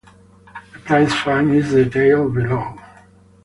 The prize fund is detailed below.